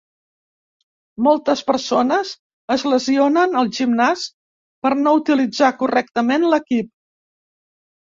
Moltes persones es lesionen al gimnàs per no utilitzar correctament l'equip.